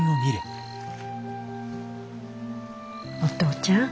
お父ちゃん。